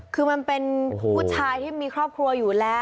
คือมันเป็นผู้ชายที่มีครอบครัวอยู่แล้ว